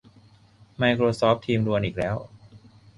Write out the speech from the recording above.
ไมโครซอฟท์ทีมรวนอีกแล้ว